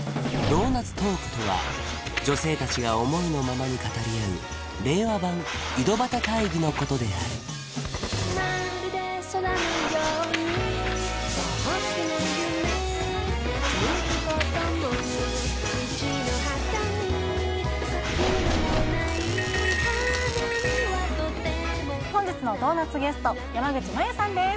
ドーナツトークとは女性達が思いのままに語り合う令和版井戸端会議のことである本日のドーナツゲスト山口真由さんです